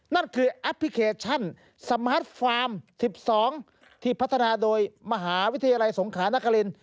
นั่นคือแอปพลิเคชันสมาร์ทฟาร์ม๑๒ที่พัฒนาโดยมหาวิทยาลัยสงขานคริน